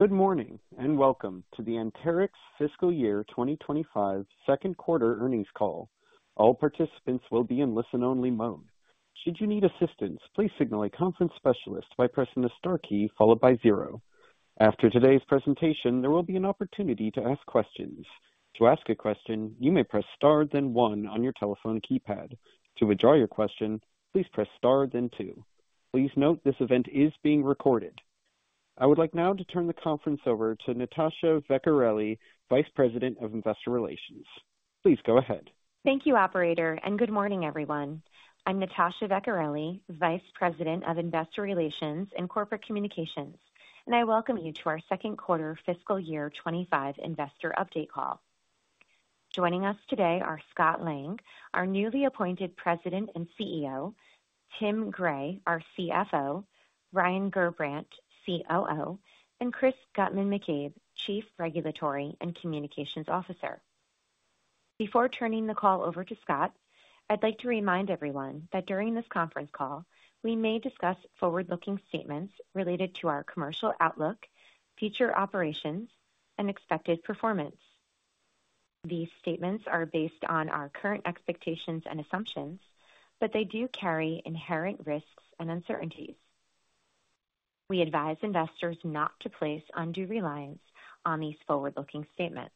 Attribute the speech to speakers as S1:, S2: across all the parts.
S1: Good morning and welcome to the Anterix fiscal year 2025 Q2 earnings call. All participants will be in listen-only mode. Should you need assistance, please signal a conference specialist by pressing the star key followed by zero. After today's presentation, there will be an opportunity to ask questions. To ask a question, you may press star then one on your telephone keypad. To withdraw your question, please press star then two. Please note this event is being recorded. I would like now to turn the conference over to Natasha Vecchiarelli, Vice President of Investor Relations. Please go ahead.
S2: Thank you, Operator, and good morning, everyone. I'm Natasha Vecchiarelli, Vice President of Investor Relations and Corporate Communications, and I welcome you to our Q2 fiscal year 2025 investor update call. Joining us today are Scott Lang, our newly appointed President and CEO, Tim Gray, our CFO, Ryan Gerbrandt, COO, and Chris Guttman-McCabe, Chief Regulatory and Communications Officer. Before turning the call over to Scott, I'd like to remind everyone that during this conference call, we may discuss forward-looking statements related to our commercial outlook, future operations, and expected performance. These statements are based on our current expectations and assumptions, but they do carry inherent risks and uncertainties. We advise investors not to place undue reliance on these forward-looking statements.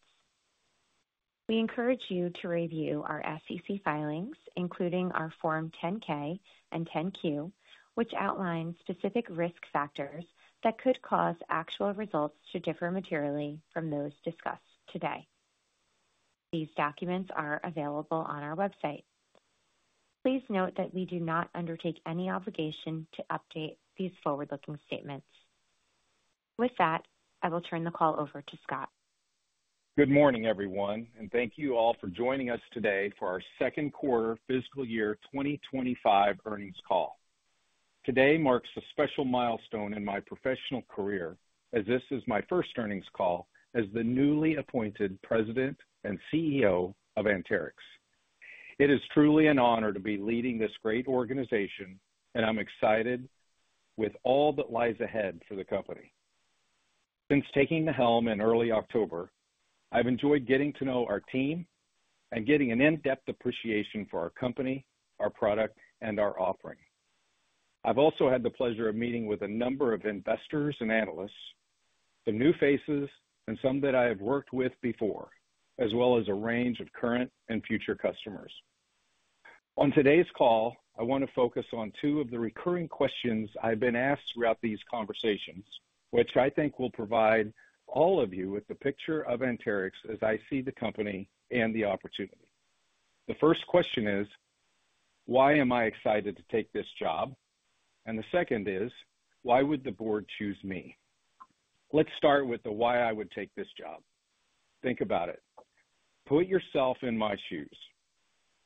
S2: We encourage you to review our FCC filings, including our Form 10-K and 10-Q, which outline specific risk factors that could cause actual results to differ materially from those discussed today. These documents are available on our website. Please note that we do not undertake any obligation to update these forward-looking statements. With that, I will turn the call over to Scott.
S3: Good morning, everyone, and thank you all for joining us today for our Q2 fiscal year 2025 earnings call. Today marks a special milestone in my professional career, as this is my first earnings call as the newly appointed President and CEO of Anterix. It is truly an honor to be leading this great organization, and I'm excited with all that lies ahead for the company. Since taking the helm in early October, I've enjoyed getting to know our team and getting an in-depth appreciation for our company, our product, and our offering. I've also had the pleasure of meeting with a number of investors and analysts, the new faces and some that I have worked with before, as well as a range of current and future customers. On today's call, I want to focus on two of the recurring questions I've been asked throughout these conversations, which I think will provide all of you with the picture of Anterix as I see the company and the opportunity. The first question is, why am I excited to take this job? And the second is, why would the board choose me? Let's start with the why I would take this job. Think about it. Put yourself in my shoes.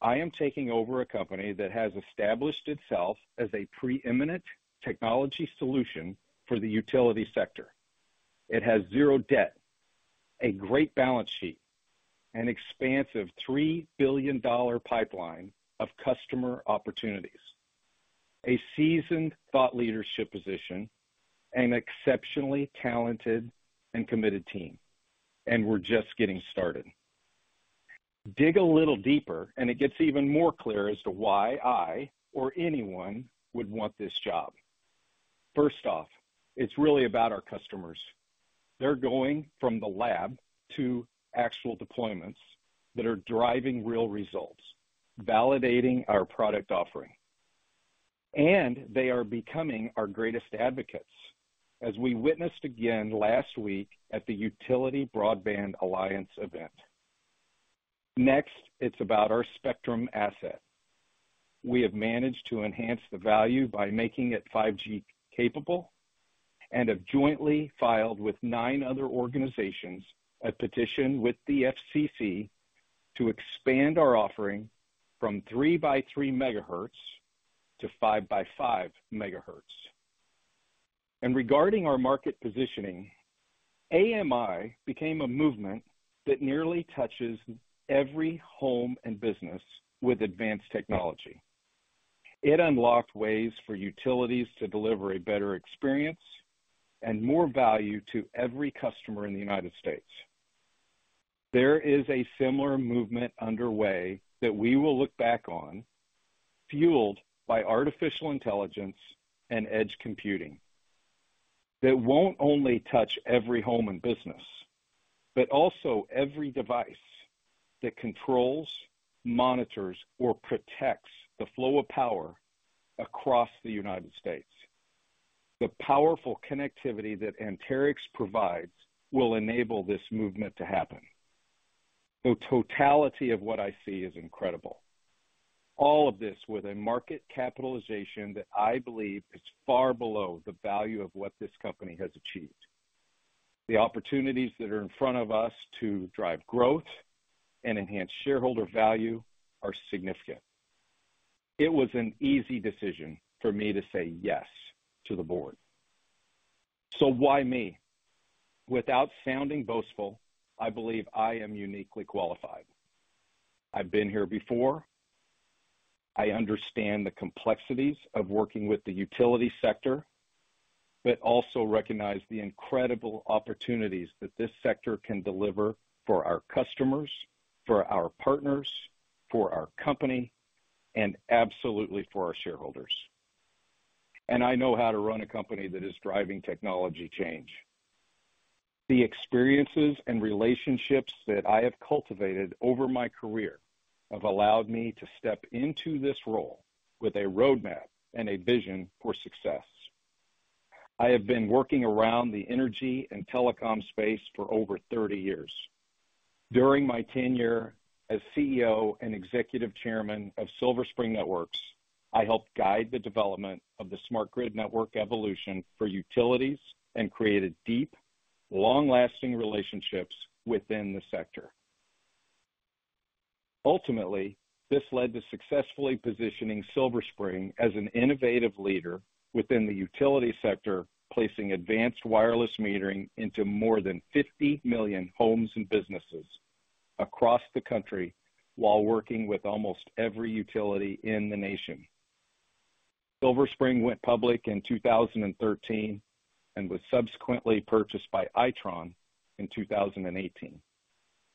S3: I am taking over a company that has established itself as a preeminent technology solution for the utility sector. It has zero debt, a great balance sheet, an expansive $3 billion pipeline of customer opportunities, a seasoned thought leadership position, and an exceptionally talented and committed team. And we're just getting started. Dig a little deeper, and it gets even more clear as to why I or anyone would want this job. First off, it's really about our customers. They're going from the lab to actual deployments that are driving real results, validating our product offering, and they are becoming our greatest advocates, as we witnessed again last week at the Utility Broadband Alliance event. Next, it's about our spectrum asset. We have managed to enhance the value by making it 5G capable and have jointly filed with nine other organizations a petition with the FCC to expand our offering from 3x3 MHz-5x5 MHz, and regarding our market positioning, AMI became a movement that nearly touches every home and business with advanced technology. It unlocked ways for utilities to deliver a better experience and more value to every customer in the United States. There is a similar movement underway that we will look back on, fueled by artificial intelligence and edge computing, that won't only touch every home and business, but also every device that controls, monitors, or protects the flow of power across the United States. The powerful connectivity that Anterix provides will enable this movement to happen. The totality of what I see is incredible. All of this with a market capitalization that I believe is far below the value of what this company has achieved. The opportunities that are in front of us to drive growth and enhance shareholder value are significant. It was an easy decision for me to say yes to the board. So why me? Without sounding boastful, I believe I am uniquely qualified. I've been here before. I understand the complexities of working with the utility sector, but also recognize the incredible opportunities that this sector can deliver for our customers, for our partners, for our company, and absolutely for our shareholders. And I know how to run a company that is driving technology change. The experiences and relationships that I have cultivated over my career have allowed me to step into this role with a roadmap and a vision for success. I have been working around the energy and telecom space for over 30 years. During my tenure as CEO and Executive Chairman of Silver Spring Networks, I helped guide the development of the smart Grid network evolution for utilities and created deep, long-lasting relationships within the sector. Ultimately, this led to successfully positioning Silver Spring as an innovative leader within the utility sector, placing advanced wireless metering into more than 50 million homes and businesses across the country while working with almost every utility in the nation. Silver Spring went public in 2013 and was subsequently purchased by Itron in 2018,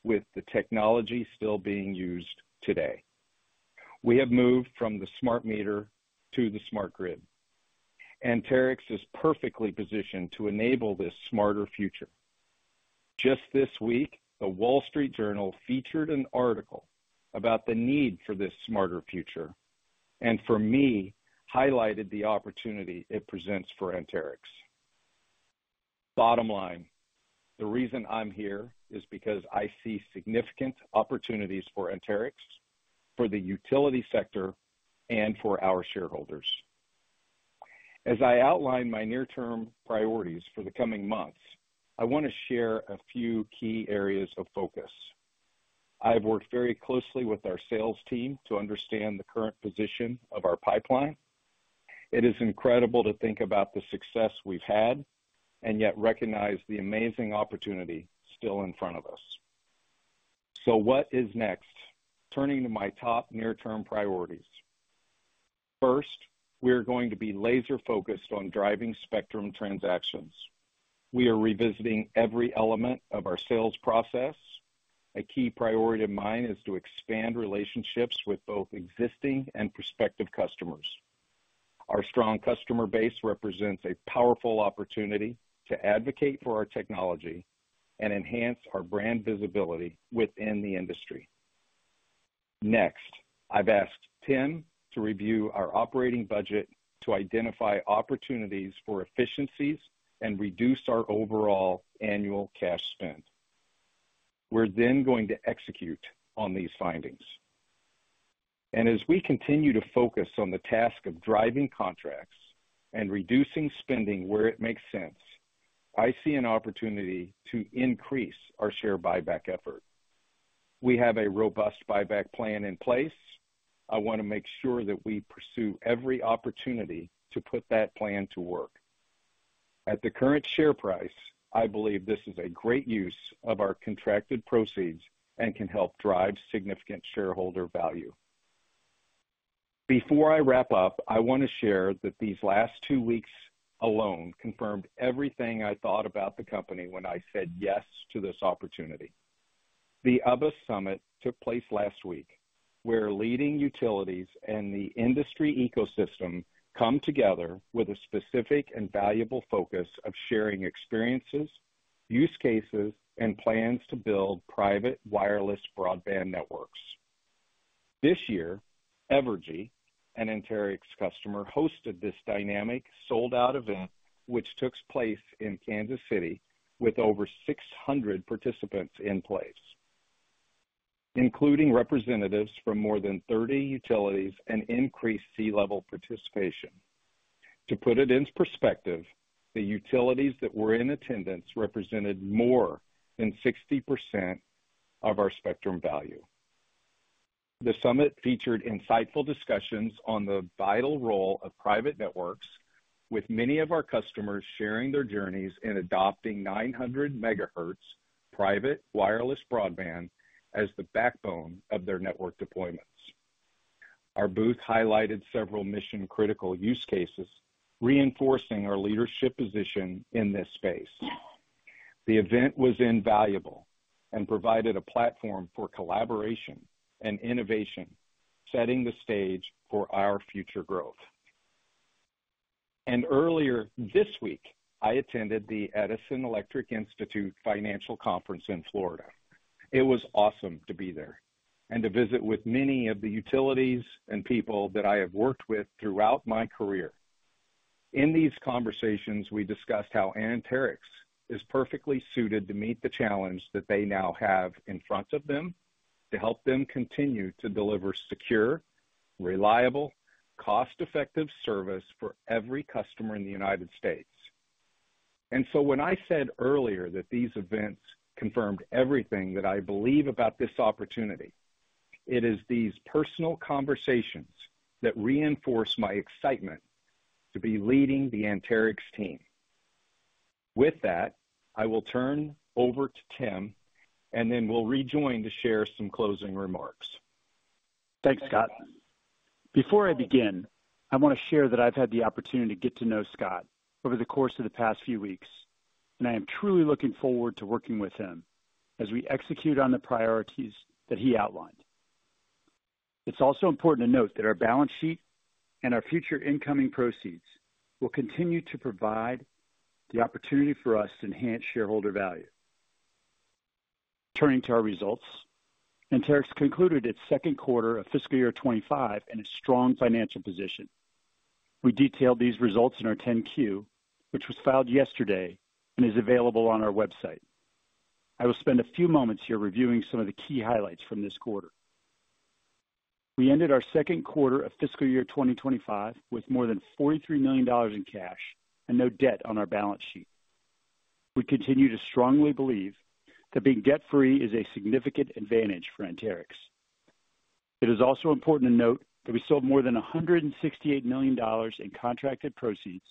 S3: with the technology still being used today. We have moved from the smart meter to the smart grid. Anterix is perfectly positioned to enable this smarter future. Just this week, The Wall Street Journal featured an article about the need for this smarter future and, for me, highlighted the opportunity it presents for Anterix. Bottom line, the reason I'm here is because I see significant opportunities for Anterix, for the utility sector, and for our shareholders. As I outline my near-term priorities for the coming months, I want to share a few key areas of focus. I have worked very closely with our sales team to understand the current position of our pipeline. It is incredible to think about the success we've had and yet recognize the amazing opportunity still in front of us. So what is next? Turning to my top near-term priorities. First, we are going to be laser-focused on driving spectrum transactions. We are revisiting every element of our sales process. A key priority of mine is to expand relationships with both existing and prospective customers. Our strong customer base represents a powerful opportunity to advocate for our technology and enhance our brand visibility within the industry. Next, I've asked Tim to review our operating budget to identify opportunities for efficiencies and reduce our overall annual cash spend. We're then going to execute on these findings. As we continue to focus on the task of driving contracts and reducing spending where it makes sense, I see an opportunity to increase our share buyback effort. We have a robust buyback plan in place. I want to make sure that we pursue every opportunity to put that plan to work. At the current share price, I believe this is a great use of our contracted proceeds and can help drive significant shareholder value. Before I wrap up, I want to share that these last two weeks alone confirmed everything I thought about the company when I said yes to this opportunity. The UBBA Summit took place last week, where leading utilities and the industry ecosystem come together with a specific and valuable focus of sharing experiences, use cases, and plans to build private wireless broadband networks. This year, Evergy, an Anterix customer, hosted this dynamic sold-out event, which took place in Kansas City with over 600 participants in place, including representatives from more than 30 utilities and increased C-level participation. To put it into perspective, the utilities that were in attendance represented more than 60% of our spectrum value. The summit featured insightful discussions on the vital role of private networks, with many of our customers sharing their journeys in adopting 900 MHz private wireless broadband as the backbone of their network deployments. Our booth highlighted several mission-critical use cases, reinforcing our leadership position in this space. The event was invaluable and provided a platform for collaboration and innovation, setting the stage for our future growth, and earlier this week, I attended the Edison Electric Institute Financial Conference in Florida. It was awesome to be there and to visit with many of the utilities and people that I have worked with throughout my career. In these conversations, we discussed how Anterix is perfectly suited to meet the challenge that they now have in front of them to help them continue to deliver secure, reliable, cost-effective service for every customer in the United States, and so when I said earlier that these events confirmed everything that I believe about this opportunity, it is these personal conversations that reinforce my excitement to be leading the Anterix team. With that, I will turn over to Tim, and then we'll rejoin to share some closing remarks.
S4: Thanks, Scott. Before I begin, I want to share that I've had the opportunity to get to know Scott over the course of the past few weeks, and I am truly looking forward to working with him as we execute on the priorities that he outlined. It's also important to note that our balance sheet and our future incoming proceeds will continue to provide the opportunity for us to enhance shareholder value. Turning to our results, Anterix concluded its Q2 of fiscal year 2025 in a strong financial position. We detailed these results in our 10-Q, which was filed yesterday and is available on our website. I will spend a few moments here reviewing some of the key highlights from this quarter. We ended our Q2 of fiscal year 2025 with more than $43 million in cash and no debt on our balance sheet. We continue to strongly believe that being debt-free is a significant advantage for Anterix. It is also important to note that we sold more than $168 million in contracted proceeds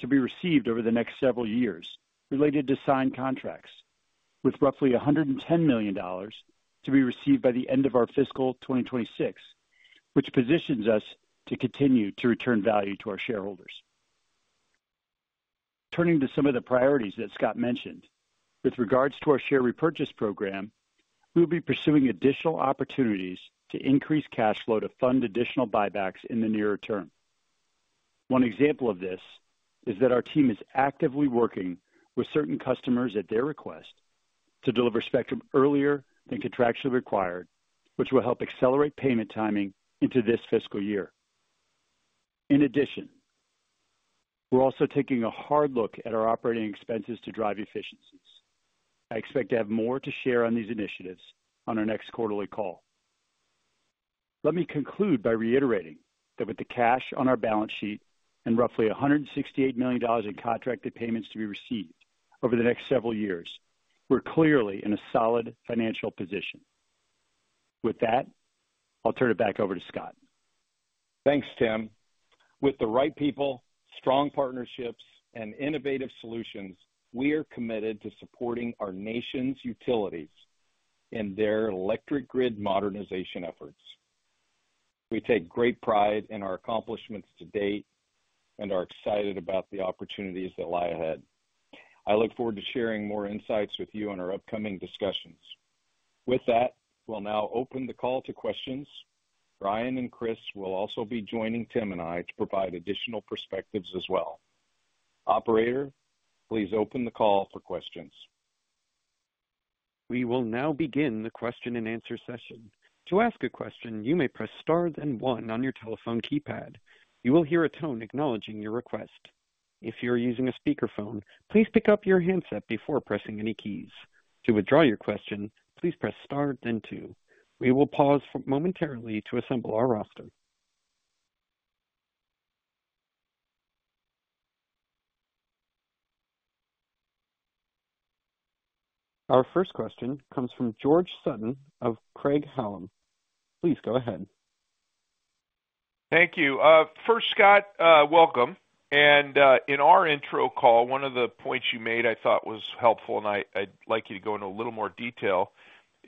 S4: to be received over the next several years related to signed contracts, with roughly $110 million to be received by the end of our fiscal 2026, which positions us to continue to return value to our shareholders. Turning to some of the priorities that Scott mentioned, with regards to our share repurchase program, we will be pursuing additional opportunities to increase cash flow to fund additional buybacks in the nearer term. One example of this is that our team is actively working with certain customers at their request to deliver spectrum earlier than contractually required, which will help accelerate payment timing into this fiscal year. In addition, we're also taking a hard look at our operating expenses to drive efficiencies. I expect to have more to share on these initiatives on our next quarterly call. Let me conclude by reiterating that with the cash on our balance sheet and roughly $168 million in contracted payments to be received over the next several years, we're clearly in a solid financial position. With that, I'll turn it back over to Scott.
S3: Thanks, Tim. With the right people, strong partnerships, and innovative solutions, we are committed to supporting our nation's utilities in their electric grid modernization efforts. We take great pride in our accomplishments to date and are excited about the opportunities that lie ahead. I look forward to sharing more insights with you on our upcoming discussions. With that, we'll now open the call to questions. Ryan and Chris will also be joining Tim and I to provide additional perspectives as well. Operator, please open the call for questions.
S1: We will now begin the question-and-answer session. To ask a question, you may press Star then one on your telephone keypad. You will hear a tone acknowledging your request. If you're using a speakerphone, please pick up your handset before pressing any keys. To withdraw your question, please press Star then two. We will pause momentarily to assemble our roster. Our first question comes from George Sutton of Craig-Hallum. Please go ahead.
S5: Thank you. First, Scott, welcome. And in our intro call, one of the points you made I thought was helpful, and I'd like you to go into a little more detail,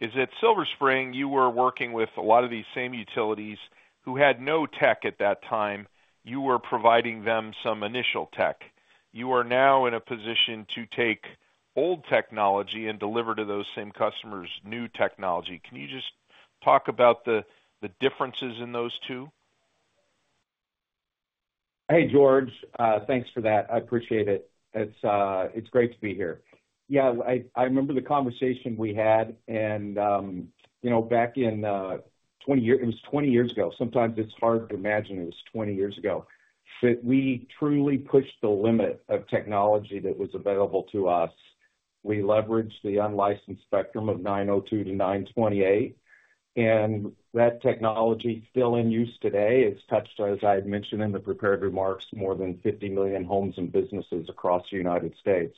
S5: is at Silver Spring, you were working with a lot of these same utilities who had no tech at that time. You were providing them some initial tech. You are now in a position to take old technology and deliver to those same customers new technology. Can you just talk about the differences in those two?
S3: Hey, George. Thanks for that. I appreciate it. It's great to be here. Yeah, I remember the conversation we had, and back in 20 years, it was 20 years ago. Sometimes it's hard to imagine it was 20 years ago. We truly pushed the limit of technology that was available to us. We leveraged the unlicensed spectrum of 902-928, and that technology, still in use today, is touched, as I had mentioned in the prepared remarks, more than 50 million homes and businesses across the United States.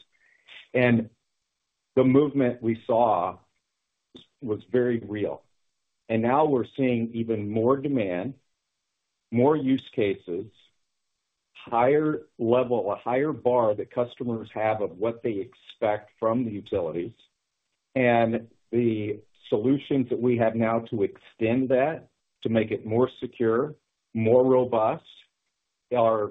S3: The movement we saw was very real, and now we're seeing even more demand, more use cases, a higher bar that customers have of what they expect from the utilities. The solutions that we have now to extend that, to make it more secure, more robust, are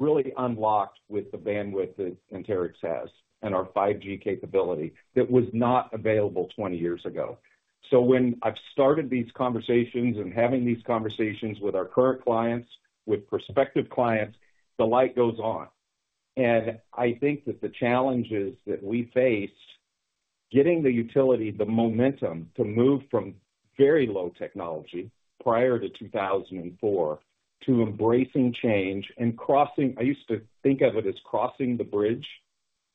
S3: really unlocked with the bandwidth that Anterix has and our 5G capability that was not available 20 years ago. So when I've started these conversations and having these conversations with our current clients, with prospective clients, the light goes on. And I think that the challenges that we faced getting the utility the momentum to move from very low technology prior to 2004 to embracing change and crossing, I used to think of it as crossing the bridge.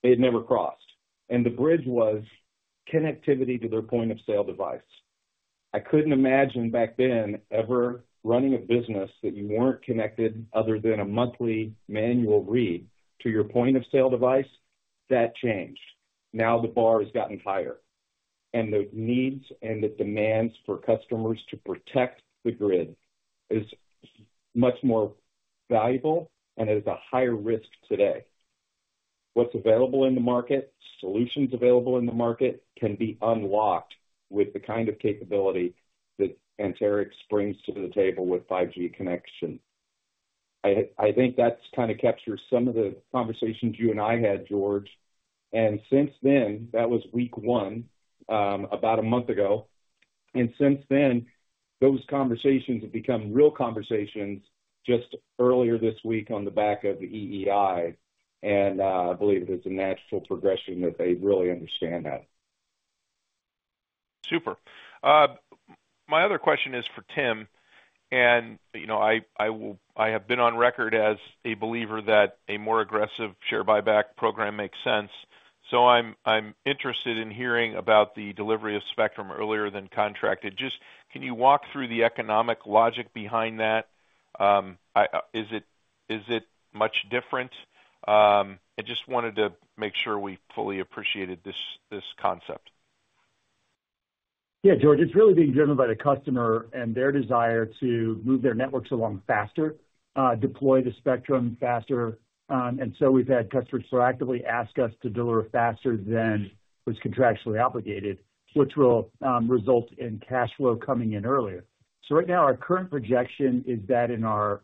S3: It never crossed. And the bridge was connectivity to their point of sale device. I couldn't imagine back then ever running a business that you weren't connected other than a monthly manual read to your point of sale device. That changed. Now the bar has gotten higher. And the needs and the demands for customers to protect the grid are much more valuable, and it is a higher risk today. What's available in the market, solutions available in the market, can be unlocked with the kind of capability that Anterix brings to the table with 5G connection. I think that's kind of captured some of the conversations you and I had, George. And since then, that was week one, about a month ago. And since then, those conversations have become real conversations just earlier this week on the back of the EEI. And I believe it is a natural progression that they really understand that.
S5: Super. My other question is for Tim. And I have been on record as a believer that a more aggressive share buyback program makes sense. So I'm interested in hearing about the delivery of spectrum earlier than contracted. Just can you walk through the economic logic behind that? Is it much different? I just wanted to make sure we fully appreciated this concept.
S4: Yeah, George, it's really being driven by the customer and their desire to move their networks along faster, deploy the spectrum faster. And so we've had customers proactively ask us to deliver faster than was contractually obligated, which will result in cash flow coming in earlier. So right now, our current projection is that in our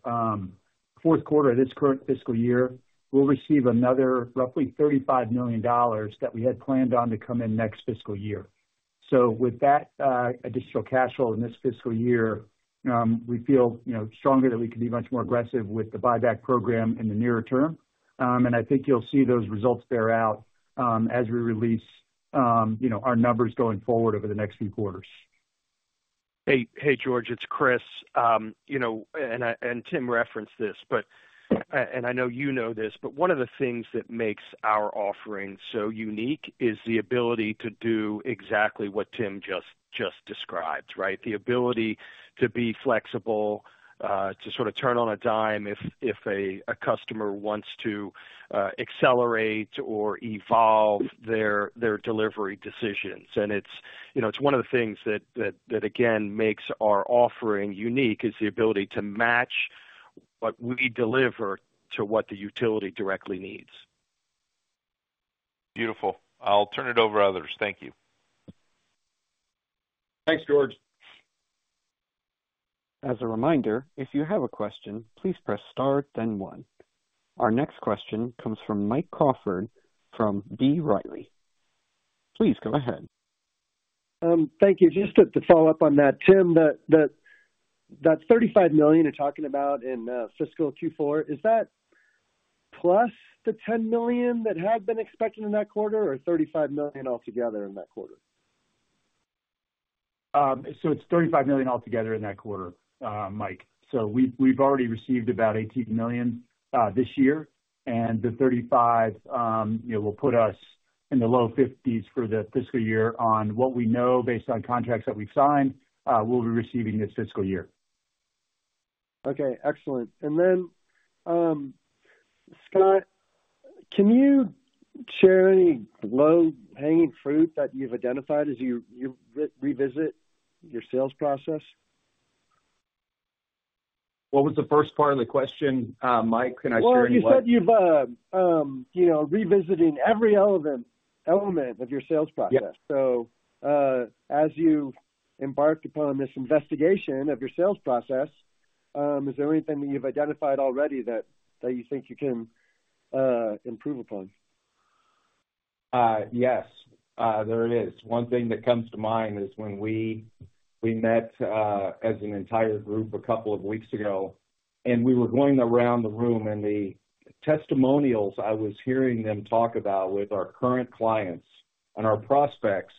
S4: Q4 of this current fiscal year, we'll receive another roughly $35 million that we had planned on to come in next fiscal year. So with that additional cash flow in this fiscal year, we feel stronger that we can be much more aggressive with the buyback program in the nearer term. And I think you'll see those results bear out as we release our numbers going forward over the next few quarters.
S6: Hey, George, it's Chris. And Tim referenced this, and I know you know this, but one of the things that makes our offering so unique is the ability to do exactly what Tim just described, right? The ability to be flexible, to sort of turn on a dime if a customer wants to accelerate or evolve their delivery decisions. And it's one of the things that, again, makes our offering unique is the ability to match what we deliver to what the utility directly needs. Beautiful. I'll turn it over to others. Thank you.
S4: Thanks, George.
S1: As a reminder, if you have a question, please press Star, then 1. Our next question comes from Mike Crawford from B. Riley. Please go ahead.
S7: Thank you. Just to follow up on that, Tim, that $35 million you're talking about in fiscal Q4, is that plus the $10 million that had been expected in that quarter or $35 million altogether in that quarter?
S4: It's $35 million altogether in that quarter, Mike. We've already received about $18 million this year. The 35 will put us in the low $50 million for the fiscal year on what we know based on contracts that we've signed we'll be receiving this fiscal year.
S7: Okay. Excellent. And then, Scott, can you share any low-hanging fruit that you've identified as you revisit your sales process?
S3: What was the first part of the question, Mike? Can I share any low?
S7: You said you're revisiting every element of your sales process. As you embark upon this investigation of your sales process, is there anything that you've identified already that you think you can improve upon?
S3: Yes. There it is. One thing that comes to mind is when we met as an entire group a couple of weeks ago, and we were going around the room, and the testimonials I was hearing them talk about with our current clients and our prospects,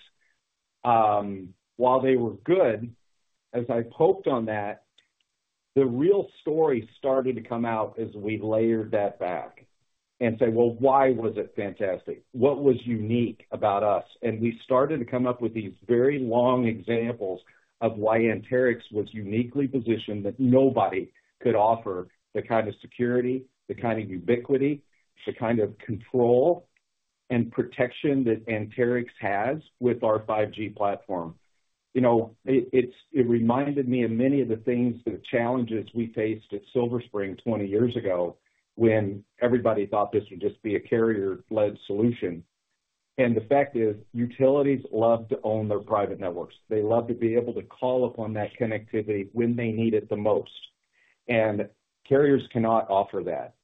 S3: while they were good, as I poked on that, the real story started to come out as we layered that back and said, "Well, why was it fantastic? What was unique about us?" And we started to come up with these very long examples of why Anterix was uniquely positioned that nobody could offer the kind of security, the kind of ubiquity, the kind of control, and protection that Anterix has with our 5G platform. It reminded me of many of the things, the challenges we faced at Silver Spring 20 years ago when everybody thought this would just be a carrier-led solution. The fact is utilities love to own their private networks. They love to be able to call upon that connectivity when they need it the most. Carriers cannot offer that.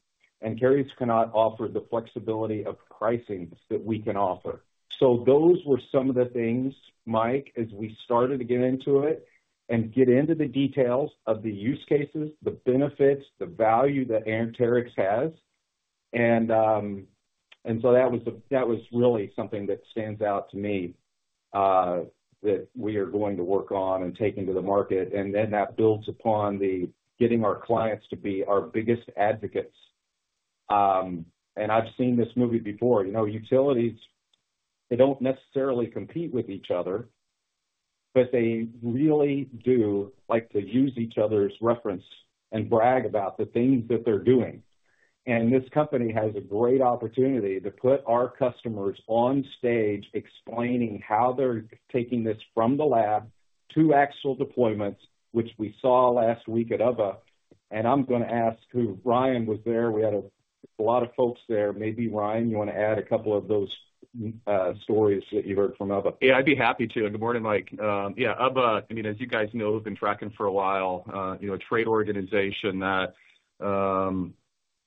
S3: Carriers cannot offer the flexibility of pricing that we can offer. Those were some of the things, Mike, as we started to get into it and get into the details of the use cases, the benefits, the value that Anterix has. That was really something that stands out to me that we are going to work on and take into the market. That builds upon getting our clients to be our biggest advocates. I've seen this movie before. Utilities, they don't necessarily compete with each other, but they really do like to use each other's reference and brag about the things that they're doing. And this company has a great opportunity to put our customers on stage explaining how they're taking this from the lab to actual deployments, which we saw last week at UBBA. And I'm going to ask, who, Ryan, was there. We had a lot of folks there. Maybe Ryan, you want to add a couple of those stories that you heard from UBBA?
S8: Yeah, I'd be happy to. And good morning, Mike. Yeah, UBBA, I mean, as you guys know, we've been tracking for a while. A trade organization that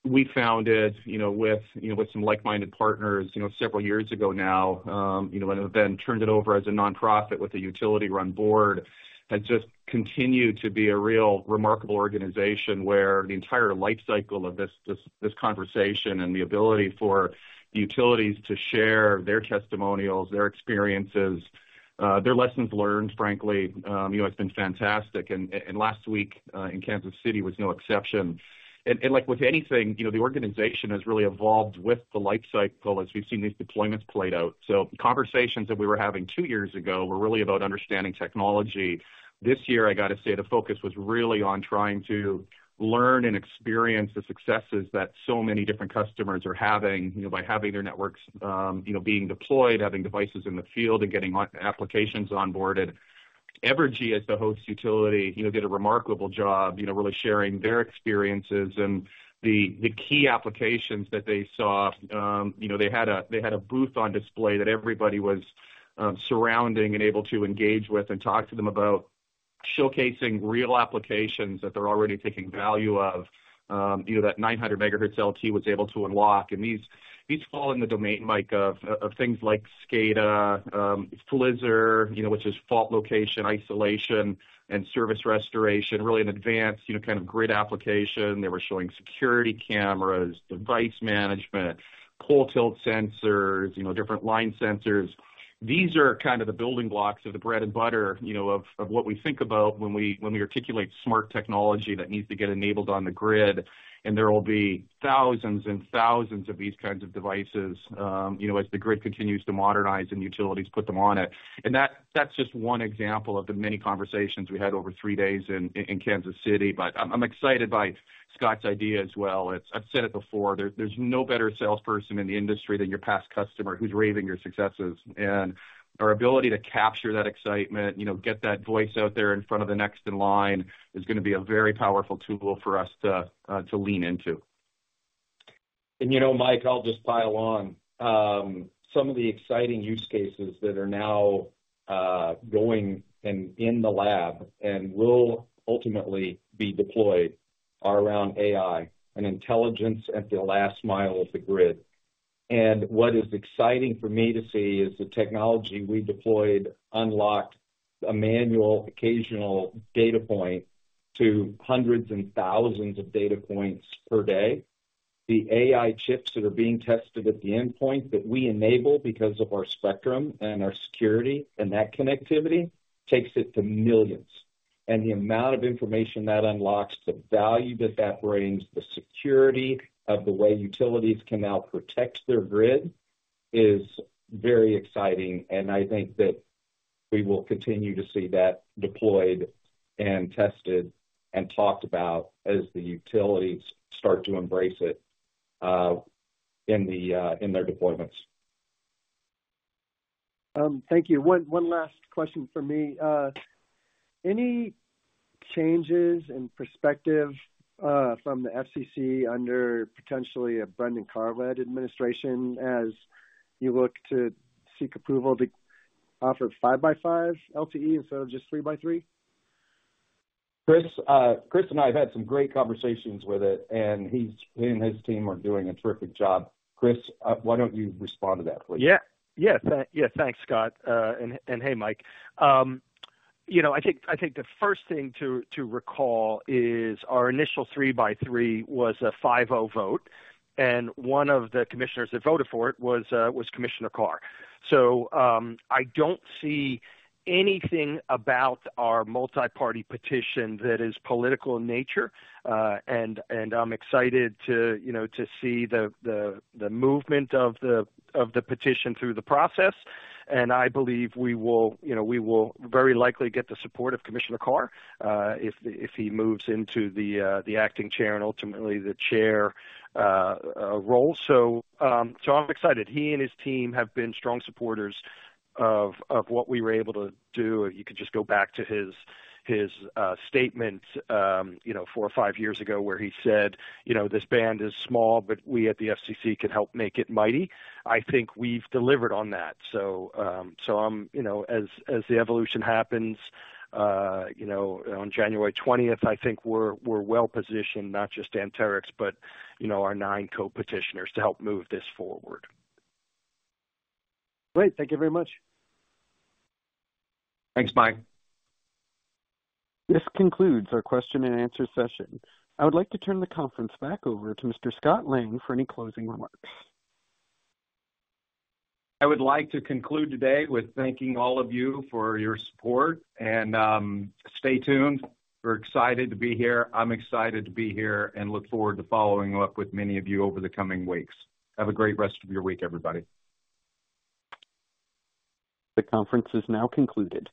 S8: we founded with some like-minded partners several years ago now and then turned it over as a nonprofit with a utility-run board has just continued to be a real remarkable organization where the entire life cycle of this conversation and the ability for utilities to share their testimonials, their experiences, their lessons learned, frankly, has been fantastic. And last week in Kansas City was no exception. And like with anything, the organization has really evolved with the life cycle as we've seen these deployments played out. So conversations that we were having two years ago were really about understanding technology. This year, I got to say the focus was really on trying to learn and experience the successes that so many different customers are having by having their networks being deployed, having devices in the field, and getting applications onboarded. Evergy, as the host utility, did a remarkable job really sharing their experiences and the key applications that they saw. They had a booth on display that everybody was surrounding and able to engage with and talk to them about showcasing real applications that they're already taking value of that 900 megahertz LTE was able to unlock, and these fall in the domain, Mike, of things like SCADA, FLISR, which is fault location isolation and service restoration, really an advanced kind of grid application. They were showing security cameras, device management, pole tilt sensors, different line sensors. These are kind of the building blocks of the bread and butter of what we think about when we articulate smart technology that needs to get enabled on the grid. And there will be thousands and thousands of these kinds of devices as the grid continues to modernize and utilities put them on it. And that's just one example of the many conversations we had over three days in Kansas City. But I'm excited by Scott's idea as well. I've said it before. There's no better salesperson in the industry than your past customer who's raving your successes. And our ability to capture that excitement, get that voice out there in front of the next in line is going to be a very powerful tool for us to lean into.
S3: And Mike, I'll just pile on. Some of the exciting use cases that are now going in the lab and will ultimately be deployed are around AI and intelligence at the last mile of the grid. And what is exciting for me to see is the technology we deployed unlocked a manual occasional data point to hundreds and thousands of data points per day. The AI chips that are being tested at the endpoint that we enable because of our spectrum and our security and that connectivity takes it to millions. And the amount of information that unlocks, the value that that brings, the security of the way utilities can now protect their grid is very exciting. And I think that we will continue to see that deployed and tested and talked about as the utilities start to embrace it in their deployments.
S7: Thank you. One last question for me. Any changes in perspective from the FCC under potentially a Brendan Carr administration as you look to seek approval to offer 5x5 LTE instead of just 3x3?
S3: Chris and I have had some great conversations with it, and he and his team are doing a terrific job. Chris, why don't you respond to that, please?
S6: Yeah. Yeah, thanks, Scott. And hey, Mike. I think the first thing to recall is our initial 3x3 was a 5-0 vote. And one of the commissioners that voted for it was Commissioner Carr. So I don't see anything about our multi-party petition that is political in nature. And I'm excited to see the movement of the petition through the process. And I believe we will very likely get the support of Commissioner Carr if he moves into the acting chair and ultimately the chair role. So I'm excited. He and his team have been strong supporters of what we were able to do. You could just go back to his statement four or five years ago where he said, "This band is small, but we at the FCC can help make it mighty." I think we've delivered on that. So as the evolution happens on January 20th, I think we're well positioned, not just Anterix, but our nine co-petitioners to help move this forward.
S7: Great. Thank you very much.
S6: Thanks, Mike.
S1: This concludes our question and answer session. I would like to turn the conference back over to Mr. Scott Lang for any closing remarks.
S3: I would like to conclude today with thanking all of you for your support and stay tuned. We're excited to be here. I'm excited to be here and look forward to following up with many of you over the coming weeks. Have a great rest of your week, everybody.
S1: The conference is now concluded.